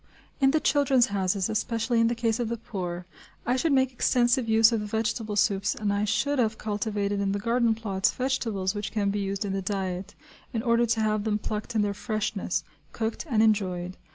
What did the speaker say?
In the "Children's Houses," especially in the case of the poor, I should make extensive use of the vegetable soups and I should have cultivated in the garden plots vegetables which can be used in the diet, in order to have them plucked in their freshness, cooked, and enjoyed.